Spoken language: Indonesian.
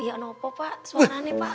ya apa pak suara nih pak